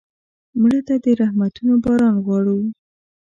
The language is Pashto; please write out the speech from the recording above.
مړه ته د رحمتونو باران غواړو